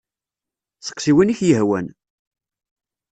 Seqsi win i k-yehwan!